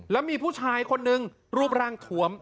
แล้วมีผู้ชายคนนึงรูปร่างถวม